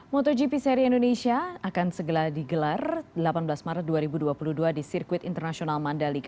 motogp seri indonesia akan segera digelar delapan belas maret dua ribu dua puluh dua di sirkuit internasional mandalika